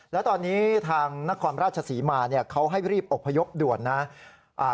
แล้วตอนนี้ทางนครราชศรีมาเนี่ยเขาให้รีบอบพยพด่วนนะ